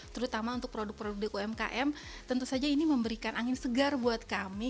terutama untuk produk produk di umkm tentu saja ini memberikan angin segar buat kami